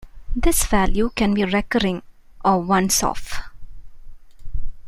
This value can be recurring or once-off.